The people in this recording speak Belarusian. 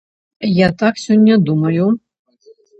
Я так сёння думаю.